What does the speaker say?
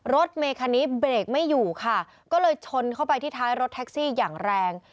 รถเมคันนี้เบรกไม่อยู่ค่ะก็เลยชนเข้าไปที่ท้ายรถแท็กซี่อย่างแรง